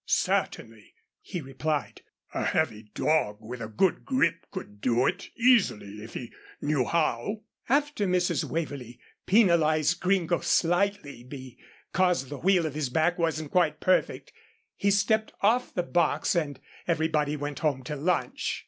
"Certainly," he replied, "a heavy dog with a good grip could do it easily, if he knew how." After Mrs. Waverlee penalised Gringo slightly, because the wheel of his back wasn't quite perfect, he stepped off the box, and everybody went home to lunch.